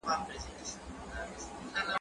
زه بايد مينه وښيم!.